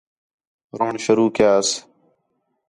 روݨ شروع کیاس